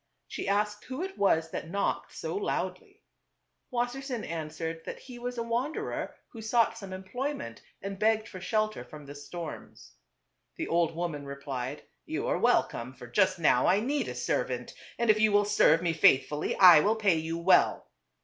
She asked who it was that knocked so 290 TWO BROTHERS. loudly. Wassersein answered that he was a wanderer who sought some employment, and begged for shelter from the storms. The old woman replied, " You are welcome, for just now I need a servant, and if you will serve me faithfully I will pay you well."